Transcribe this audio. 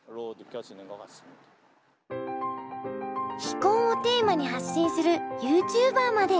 「非婚」をテーマに発信するユーチューバーまで。